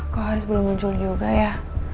kok harus belum muncul juga ya